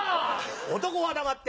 男は黙って。